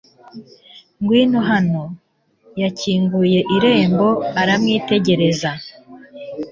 ngwino hano. yakinguye irembo aramwitegereza